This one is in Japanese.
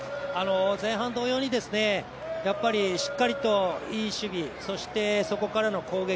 前半同様にしっかりといい守備そして、そこからの攻撃。